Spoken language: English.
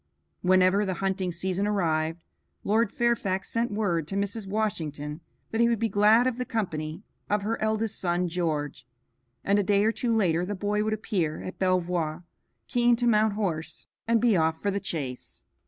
Whenever the hunting season arrived, Lord Fairfax sent word to Mrs. Washington that he would be glad of the company of her eldest son George, and a day or two later the boy would appear at Belvoir, keen to mount horse and be off for the chase.